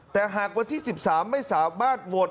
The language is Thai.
แต่หากวันที่๑๓ไม่สามารถโหวต